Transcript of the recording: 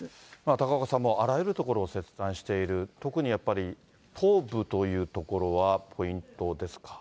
高岡さんもあらゆる所を切断している、特にやっぱり頭部というところはポイントですか。